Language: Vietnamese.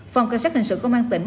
phòng cảnh sát hành sự công an tỉnh